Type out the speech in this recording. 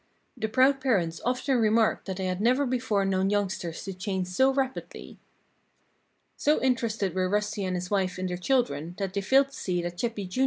The proud parents often remarked that they had never before known youngsters to change so rapidly. So interested were Rusty and his wife in their children that they failed to see that Chippy, Jr.